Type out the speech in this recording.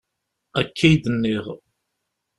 Akka i d-nniɣ.